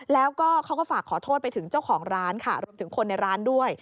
แล้วก็เขาก็ฝากขอโทษไปถึงเจ้าของร้านค่ะรวมถึงคนในร้านด้วย